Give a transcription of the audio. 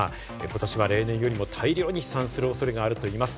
今年は例年よりも大量に飛散する恐れがあるといいます。